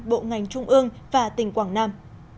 bộ ngành trung ương và tỉnh quảng nam